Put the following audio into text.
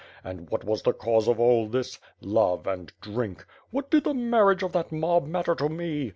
And what was the cause of all this! Love and drink. What did the marriage of that mob matter to me?